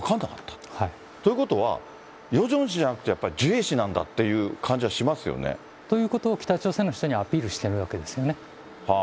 ということは、ヨジョン氏じゃなくて、やっぱりジュエ氏なんだっていう感じしますよね。ということを北朝鮮の人にアピールしてるわけですよね。